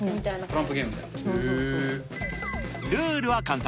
ルールは簡単。